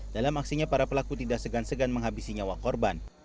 dalam aksinya para pelaku tidak segan segan menghabiskan